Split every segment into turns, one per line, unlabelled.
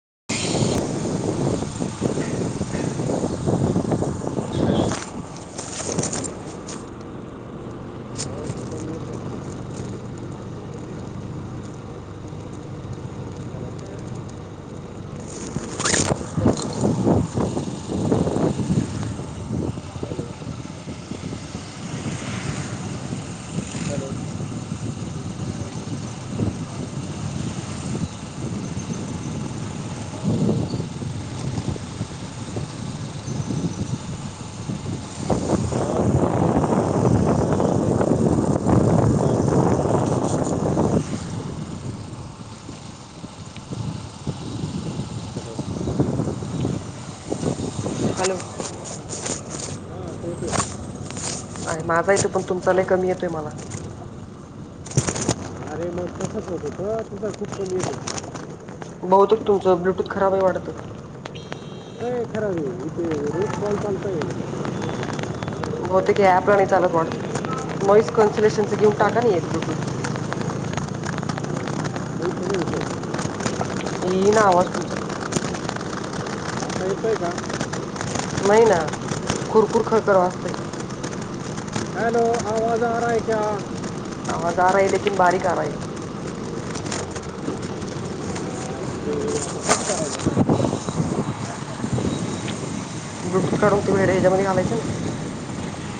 [inaudible] Hello
[inaudible]
[inaudible] hello जावाजेत नाही. म्हं खराब आहे तुमच बहु बाहेरचा आवाजमज यय ह. आमलाणस्कट करून लाव म हे करून लावते हॅलो. माझा येतो पण तुमचालाही कमी येतोय मला.
अरे मग कसतततो. तुझ खूप
बहुतक तुमच ब्लूथ खराब आहे वाटतं.
खर इ रेट बल्पंत ये.
बहतेक हे पला नाही चालत वाटतं नॉईस कन्लेशनच घेऊन
आता
टाका नाही ब्लूटूथ.
इथे नाही येत आहे.
ये ना आवाज तुमचा.
अळकय द.
नाही ना खुरकुर खरखर वाजतंय.
हॅलो. आवाज आ रहा आहे क.
आवाज आ रहा है लेकिन बारीक आ रहा है.
[inaudible]
ब्लूटूथ काढून ते भेडे ह्याच्यामध्ये घालायचें ना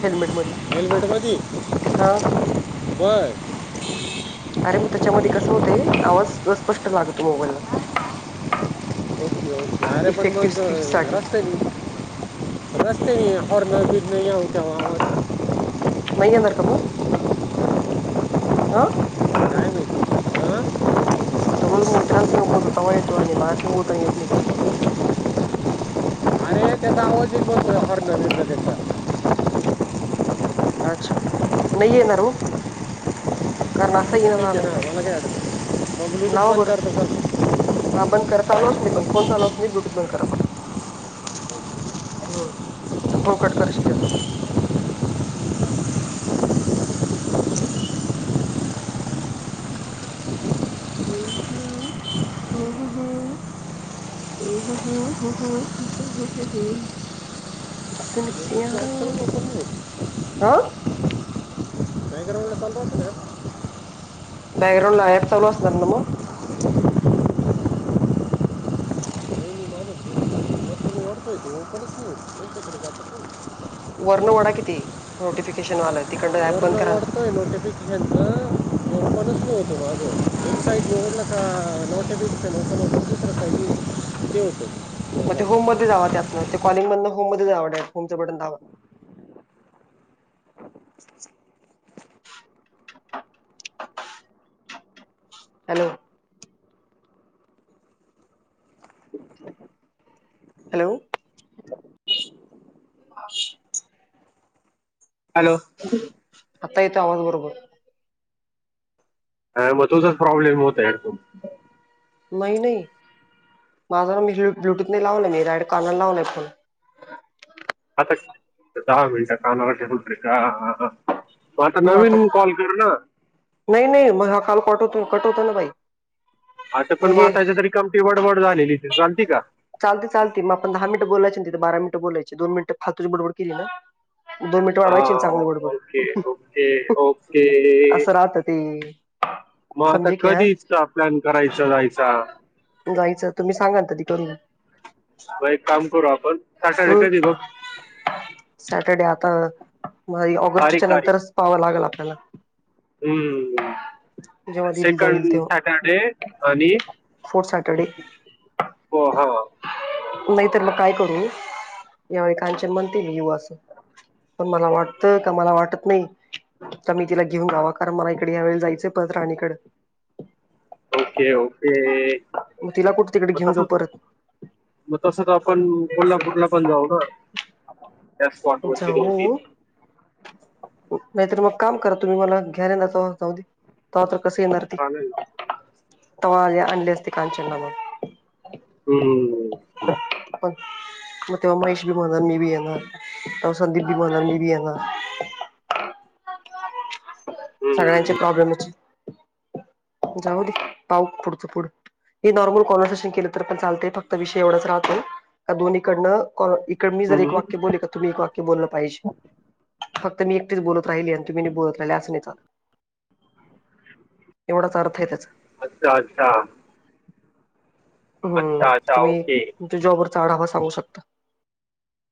हेल्मेट मध्ये.
मेलपेटपती
हा
बर.
अरे मग त्याच्यामध्ये कस होत आवाज स्पष्ट लागतो मोबाईलला.
हो अरे पण मघ
इफेक्टिव्ह स्पीच साठी
रस्ते. रस्ते नाही हर न बीज नाहीत.
महि नाारक म आ.
काय माहिती हां
आता रोज मित्रांसंग बोलतो ते्हा येतो आणि माझ्यासघ बता येत नाही का तु्हाला.
नरेंद्र.
अच्छा नाही येणार हो. कारण असं येणार
कठीठी आहे
आलंय
नावालागे आ.
लावा बरोर हा बंद करा चालूच नाही पण फोन चालूच नाही ब्लूटूथ बंद करा फक्त. हम्म फोंकट करशज. [unintelligible] ह ह ह ह समसया
ब्लूटूथचा ऑप्शन ओपन नाही
हा.
बलत.
बॅकग्रउं ल ह याच चवलो असणार नो.
नाही माणूस मतदान वाढतोय तो ओपनच नाही
वर्णओडा किती नोटिफिकेशन वालं तिकड ऍप बंद करा ते.
त नोटिफिकेशन तर म पस् न होतो बा आजू. वेबसईट गला का नोटे बी रुपये नट न दुसर सई ते होतो.
मग ते होममध्ये जाव त्यातं ते कॉलिंग मधन होममध्ये जावंडत होमं बटन धवं. [inaudible] हॅलो. हॅलो हा..
हॅलो!
आत्यत आ बरोबर.
मग तोझच प्रॉब्लेम होत ह त.
नाही नाही माझा ना मी ब्लूटूथ नाही लावलं मी राड कार्न लावला फोन.
आता दहा मिनटात कानावर ठ बोलते का ह. म आता नवीन कॉल कर ना.
नाही नाही मग हा कॉल कट होतो कट होतो न भाई.
आता पण मग आताच्या तरी कमटी वडवड झालेली त चालती का.
चालते चालते म आपण दहा मिनट बोलायची ना ते तर बारा मिनिट बोलायची दोन मिनट फालतूची बडबड केली ना. दोन मिनट वाढवायची
हा,
चांगली
ओके ओके
बडबड
ओके
असं राहत ते.
मग आता
समजे की हा
कधी प्लॅन करायचा जायचा.
जायचं तुम्ही सांगा ना कधी करूया.
मग एक काम करू आपण
हम्म सॅटर्डे आता
तारीख
ऑगस्टच्या
तारीख
नंतरच पाहावं लागेल आपल्याला.
हम्म
जेव्हा दिदी जाईल
सेकंड सॅटर्डे आणि
फोर् सॅटर्डे.
हो हो.
नाहीत मग काय करू यावेळी कांचन म्हणते न येऊ असं. पण मला वाटतं का मला वाटत नाही. आता मी तिला घेऊन गवा कारण मला इकडे ह्या वेळी जायचं पत राणीकडं.
Okay okay.
मग तिला कुठ तिकडे
मग
घेऊन जाऊ
तसंच
परत [unintelligible]
मग तसं तर आपण कोल्हापूरला पण जाऊ ना [unintelligible] स्पॉटवरती दोन
जाऊ
तीन
[unintelligible] नाहीतर मग काम करा तुम्ही मला घ्यानचावधी [unintelligible] तेव्हा तरी कस येणार ती
चालेल ना
[unintelligible] तेव्हा आणली असती कांचन ला मग [unintelligible]
हम्म [unintelligible]
तेव्हा महेश भी बोलणार मी भी येणार तेव्हा संदिप भी बोलणार मी भी येणार [unintelligible] सगळ्यांचे
हम्म
प्रॉब्लेमच [unintelligible] जाऊ दे पाऊ पुढचं पुढ [unintelligible] हे नॉर्मल कॉनव्हर्सेशन केलं तर पण चालतय फक्त विषय एवढाच राहतो का दोन्हीकडनं [unintelligible] मी जर एक
हम्म.
वाक्य बोलले [unintelligible] तुम्ही एक वाक्य बोललं पाहिजे फक्त मी एकटेच बोलत राहिली आणि तुम्ही बोलत राहिले असं नाही च [unintelligible] एवढाच अर्थ आहे त्याचा [unintelligible]
अच्छा अच्छा [unintelligible]
हम्म
अच्छा अच्छा
तुम्ही
ओके
तुमच्या जॉबवरचा आढावा सांगू शकता [unintelligible]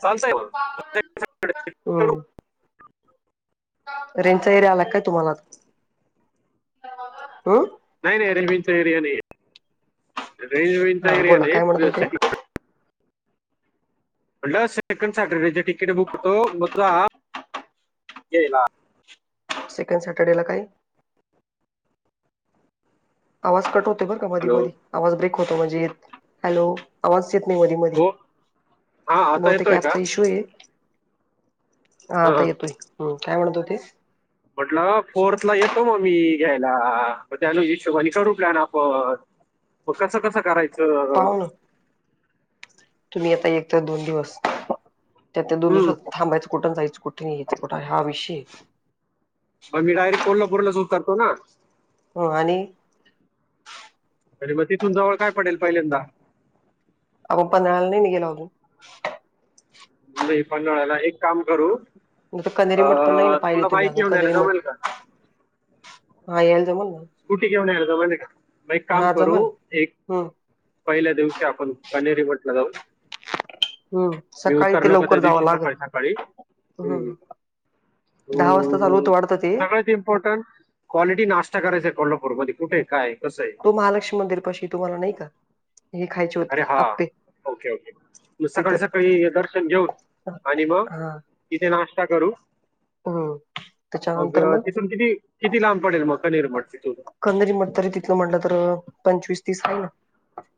चालतंय मग [unintelligible] करू.
हम् [unintelligible] रेंचा एरिया आला काय तुम्हाला ह [unintelligible]
नाही नाही रेंज बिंजचा एरिया नाही रेंज बिंजचा
हा
एरिया
बोला काय म्हणत होते
नाही [unintelligible] म्हटलं सेकंड सॅटरडेची तिकीट बुक करतो मग तुझा येला [unintelligible]
सेकंड सॅटर्डे ला काही [unintelligible] आवाज कट होते बरं का मधी
हॅलो
मधी आवाज ब्रेक होतो म्हणजे येत [unintelligible] हॅलो आवाज येत नाही मध्येमध्ये
हो हा आता
बहुतेक
येतोय का
आपचा इशू आहे हा आता
हं.
येतोय हम् काय म्हणत होतीस [unintelligible]
म्हटलं फोर्थ ला येतो मग मी घ्यायला मग त्या हिशोबाने करू प्लॅन आपण मग कसं कसं करायचं
पाहू
[unintelligible]
ना तुम्ही आता एक तर दोन दिवस त्या त्या दोन दिवसात
हम्म.
थांबायचं कुठं जायचं कुठे [unintelligible] ठ हा विषयष [unintelligible]
मग मी डायेट कोल्हापूरला सुूज करतो ना [unintelligible]
हो आणि [unintelligible]
तरी मग तिथून जवळ काय पडेल पहिल्यांदा [unintelligible]
आपण पन्हाळ्याला नाही न गेलो अजून [unintelligible]
नाही, पन्हाळयाला एक काम करू!
नाही तर कनेरी मठ पण नाही ना
अं,
पाहिले
तुला
तुम्ही
बाईक
अजून
घेऊन यायला
कनेरी मठ
जमेल का
हा यायल ज म्हण ना
स्कूटी केवन या म्ह म एक काम
हा
करू
जमल
एक
हम्म
[unintelligible] पहिल्या दिवशी आपण अनेहेरी म्हटला जाऊ [unintelligible]
हम्म
मी
सकाळी ते
उतरलोक त्या
लवकर जावं
दिवशी
लागल
सकाळी सकाळी हम्म [unintelligible]
दहा वाजता चालू
हो
होतं वाटतं ते
सगळ्याच इम्पॉर्टंट [unintelligible] क्वालिटी नाश्ता करायच आहे कोल्हापूरमध्येध्ये कुठे काय कसं आहे
तो महालक्ष्मी मंदिर पाशी तुम्हाला नाही का [unintelligible] हे खायच [unintelligible]
अरे हा ओके ओके [unintelligible] मग सकाळी
तिथं
सकाळी दर्शन घेऊन आणि मग
हा
[unintelligible] तिथे नाश्ता करू
हम्म
मग
त्याच्यानंतर
तिथून किथती [unintelligible] किती लांब पडेल मग क निरटची तू [unintelligible]
कंदरी म्हटतरी तिथलं म्हटलं तर पंचवीस तीस आहे ना [unintelligible]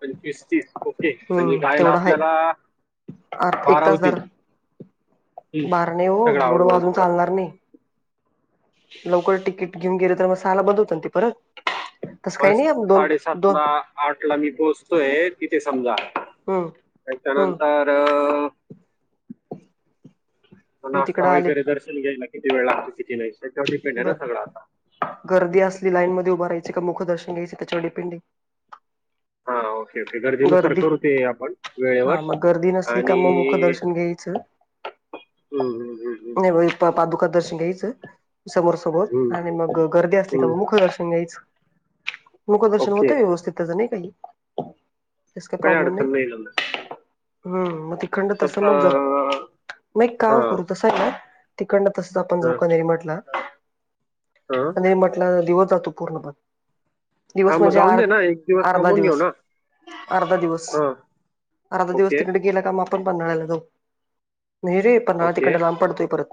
पंचवीस तीस ओके पज रहायला आपल्याला [unintelligible]
आ
बारा
एकतास
होतील
धरा [unintelligible]
हम्म.
बार नाही हो
सगळं
एवढं
आवरून
वाजून
कर
चालणार नाही [unintelligible] लवकर तिकीट घेऊन गेलं तर मग सहाला बंद होत ना ते परत [unintelligible]
बस
दोन
साडेसात
दोन
ला, आठ ला मी पोहोचतोय तिथे समजा.
हम्म हम्म
त्याच्यानंतर अ
मी तिकडं
नाश्ता
आले
वगैरे ज यला कि वेळ लागते, किती नाही. त्याच्यावर डिपेंड आहे ना सगळं आता
बर गर्दी असली लाईन मध्ये उभा राहायची का मुखदर्शन घ्यायचे त्याच्या व पिंडी
हा ओके ओके गरजेनुसार
गर्दी
करू ते आपण
हा
वेळेवर
मग गर्दी नसली का
आणि
मग मुख दर्शन घ्यायचं.
हम्म, हम्म, हम्म,
नाही पा- पादुका दर्शन घ्यायचं समोर -समोर.
हम्म,
आणि मग गर्दी असली का
हम्म.
मग मुखदर्शन घ्यायच. मुखदर्शन
ओके
होतं व्यवस्थितचं नाही काही. स काही प्रॉब्लेम नाही, हम्म मग तिकडन तस
तसंच
मग जा
अं,
मग एक काम
हां
करू तसं का तिकडनं तसच आपण जावु
हां
कनेरी मठला.
हां
कनेरी मठला दिवस जातो पूर्णपण दिवस
हां मग
म्हणजे
जाऊन
आर
दे ना एक
अर्धा
थांबून घेऊ
दिवस.
ना
अर्ध दिवस,
हां
अर्ध दिवस
ओके
तिकडे गेला काम आपण पन्हाळ्याला जाऊ, नाही रे! पन्हाळा
ओके
तिकड लांब पडतोय परत.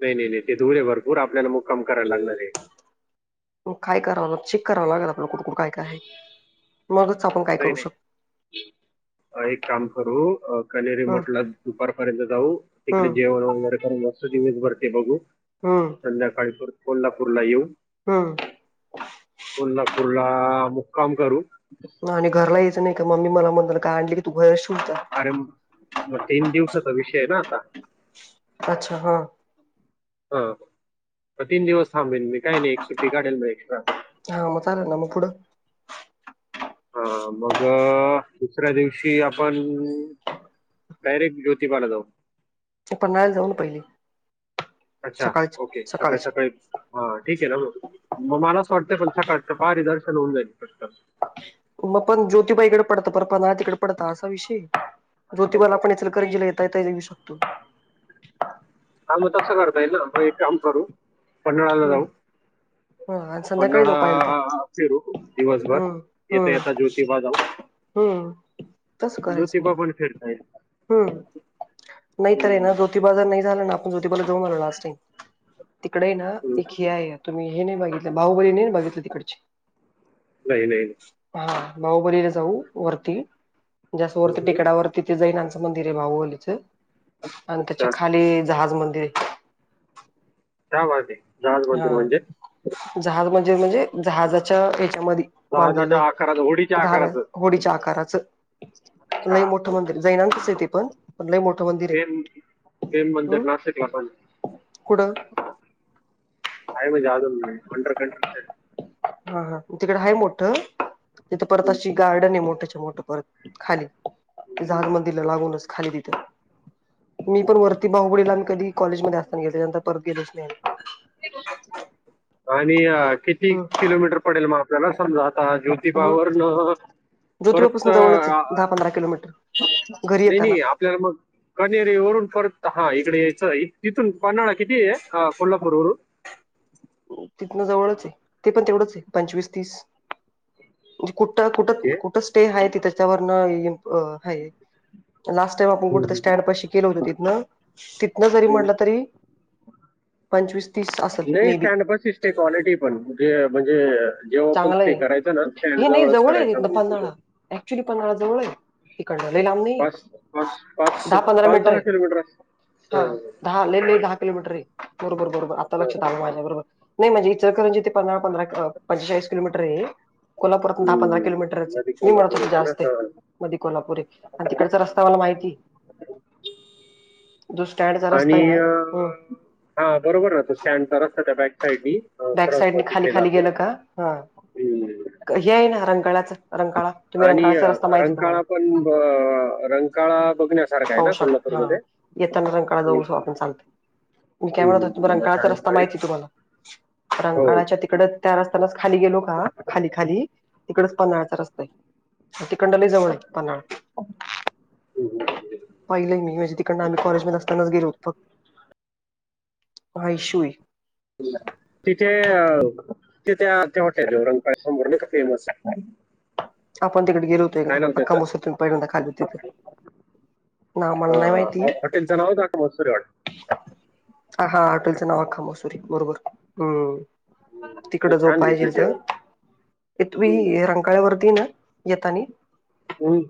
नाही नाही नाही ते धुळे भरपूर आपल्याला मुक्काम करायला लागणार आहे.
मग काय करावं चेक करावं लागल आपला कुठ कुठ काय काय आहे. मगच आपण काय
नाही
करू
नाही
शकतो.
एक काम करू
हम्म
कनेरीमठला दुपारपर्यंत जाऊ. तिकडे
हम्म
जेवण वगैरे कर मस्त दिवस भरते बघू.
हम!
संध्याकाळीपरत कोल्हापूरला येऊ.
हाम.
कोल्हापूरला मुक्काम करू.
आणि घरला यायचं नाही का, मम्मी मला म्हणल काय आणली की तू घर शिवता.
अरे मग! तीन दिवसाचा विषय ना आता.
अच्छा हा!
हां तीन दिवस थांबेन मी काही नाही एक सुट्टी काढल म एक्स्ट्रा.
हां मग चालेल ना मग पुढं.
हा मग दुसऱ्या दिवशी आपण डायरेक्ट ज्योतिबाला जाऊ.
ते पन्हाळ्याला जाऊन पहिली,
अच्छा
सकाळची
ओके सगळ
सकाळची
सकाळी. हा ठीक आहे ना मग, मग मला असं वाटतं पण सकाळच पदर्शन होऊन जाईल फक्त
मग पण ज्योतिबाईकडे पडत पर पण ना तिकड, पड असा विषय ये
अच्छा,
ज्योतिबाला
अच्छा.
आपण इचलकरंजीला येता, येता य येऊ शकतो.
का मग तसं करता येईल ना मग एक काम करू पन्हाळ्याला
हम्म
जाऊ.
हा आणि संध्याकाळी
पन्हाळा
झोपायला
फिरू
तर
दिवसभर,
हम्म
येता
हम्म
येता ज्योतिबा जाऊ.
हम्म! तसं करायचं म.
कुठं फिरता येईल.
हम् नाहीतर आहे ना ज्योतिबा जर नाही झाला ना, आपण ज्योतिबाला जाऊन मारो लास्ट टाईम. तिकडे आहे ना
हम्म.
एक हे आहे तुम्ही हे नाही बघितलं भाहुबली नाही बघितलं तिकडची,
नाही नाही.
हां बाहुबलीला जाऊ वरती जास्त स वरती
नाही.
तिकडावरती ते जाईन. मंदिर आहे बाहुवलीच आणि
अच्छा
त्याच्या खाली जहाज मंदिर आहे.
जावू आदि.
हां, जहाज म्हणजे म्हणजे जहाजाच्या हच्यामध्ये
जहाजाच्या
बांधलेलंय
आकाराचं होडीच्या
जहाज
आकाराचं
होडीच्या आकाराचं. लैय
अच्छा
मोठं मंदिर जैनांच ते पण लैय मोठं मंदिर
प्रेम
आहे.
प्रेम
ह
मंदिर नाशिकला पण
कुठं?
काय मजा [unintelligible] वंडर कंट
हां हां तिकडं आहे मोठं, तिथं परत अशी गार्डन आहे मोठ्याची मोठं परत. खाली जहाज मंदिला लागूनच खाली तिथ. मी पण वरती बाहुबडीला मी कधी कॉलेजमध्ये असतानाे त्याच्यानंतर परत गेलेच नाही.
आणि किती
हम्म
किलोमीटर पडेल मग आपल्याला समजा आता जो
हम्म
तिपावरण परत
ज्योतिबापासून जवळच आहे दहा पंधरा किलोमीटर घरी
नाही
येताना
नाही आपल्याला मग. कनेरी वरून परत हा इकडे यायचं तिथून पन्हाळा किती? आहे ह कोल्हापूर वरून
तिथनं जवळच आहे ते पण तेवढंच आहे पंचवीस तीस. म्हणजे कुठं कुठं कुठ स्टे आहे त त्याच्यावर हाय लास्ट आपण कुठ स्टँड
वरून
पाशी केलं होतं तिथनं तिथन जरी म्हटलं तरी पंचवीस तीस असेल
नाही
maybe
stand buses quality पण जे म्हणजे जेव्हा पण
चांगलं
ते
आहे
करायचं ना त्या जवळच करायचं म्हंजे
ऍक्चुली पन्हाळा जवळ आहे. तिकडं ल लांब नाही
पाच पाच पाच
दहा पंधरा
पाच
मिटर
दहा
आहे.
किलोमीटर असतं
हा
हां
दहा लेनईन दहा किलोमीटर आहे बरोबर बरोबर आता
हां
लक्षात आलं माझ्या बरोबर नाही म्हणजे इचरकरंजी इथे पंधरा पंधरा पंचेचाळीसिलोमीटर आहे. कोल्हापुरातून दहा पंधरा
हम्म.
किलोमीटरचे
नदी
मी म्हणत
कोल्हापूर
होत
येतं ना
जास्ते.
हां
मध्ये कोल्हापूरे आणि तिकडचा रस्ता मला माहिती दु स्टँडचा रस्ता आहे ना.
हां बरोबर ना तो स्टँड चा रस्ता त्या बॅक साईड मी
बॅक साईडने खाली खाली गेलं का? हंं
हम्म.
हे आहे ना रंकाळ्याचं. रंकाळा तुम्ही
आणि
रंकाळाचा
अं,
रस्ता माहिती तुम्हाला
रंकाळा पण रंकाळा बघण्या
होहू शक हा येताना रंकाळा जाऊळसो
हम्म.
आपण चालत. मी काय म्हणत हो
हम्म.
रंकाळाचा रस्ता
सायंकाळी
माहितीय तुम्हाला
हो
रंकाळाच्या तिकडं त्या रस्ता्यानाच खाली गेलो का खाली खाली तिकडचं पन्हाळाचा रस्ता आहे. तिकडं न लई जवळ
अच्छा.
ये पन्हाळ
हम्म.
पहिलं मी म्हणजे तिकडन आम्ही कॉलेज म असतानाच गेलोत फक्त आयशई
[unintelligible] तिथे तिथे ते हॉटेल रंकाळे समोर का फेमस आहे.
आपण तिकडे गेलो होतो एकदा
काय नाव
अख्खा
त्याचं
मसूर पहिल्यांदा खाल्ली हो तिथं.
हा हॉटेलच नावच अख्खा मसूर हाय वाटत.
हां हां हॉटेलचं नाव अख्खा मसुरी बरोबर हम्म.
वाटतं
तिकड जो
छान
पाहिजे
घेतलं
तर
जेवण
इथवी
हम्म.
रंगळ्यावरती ना येतानी
[unintelligible]